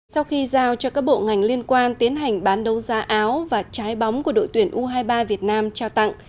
sau khi giao cho các bộ ngành liên quan tiến hành bán đấu giá áo và trái bóng của đội tuyển u hai mươi ba việt nam trao tặng